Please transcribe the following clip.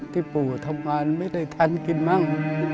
ปู่ทำงานไม่ได้คันกินมั่ง